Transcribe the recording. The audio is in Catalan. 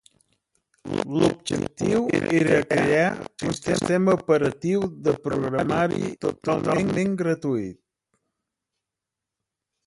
L'objectiu era crear un sistema operatiu de programari totalment gratuït.